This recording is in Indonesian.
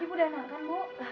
ibu udah enakan bu